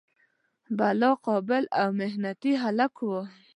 بلا قابل او محنتي هلک و.